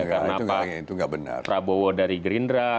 karena pak prabowo dari gerindra